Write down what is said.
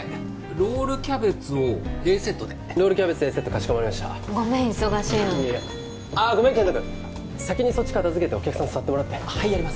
ロールキャベツをＡセットでロールキャベツＡセットかしこまりましたごめん忙しいのにいやあっごめん健人君先にそっち片付けてお客さん座ってもらってはいやります